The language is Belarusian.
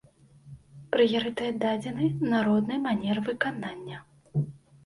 Прыярытэт дадзены народнай манеры выканання.